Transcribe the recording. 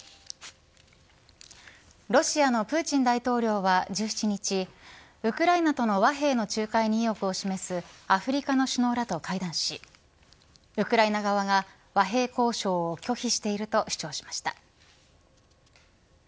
ロシアのプーチン大統領は１７日ウクライナとの和平の仲介に意欲を示すアフリカの首脳らと会談しウクライナ側が和平交渉を拒否していると主張しました。